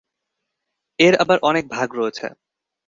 এর আবার অনেক ভাগ রয়েছে।